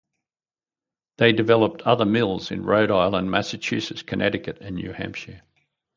They developed other mills in Rhode Island, Massachusetts, Connecticut, and New Hampshire.